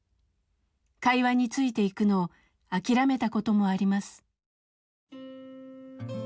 会話についていくのを諦めたこともあります。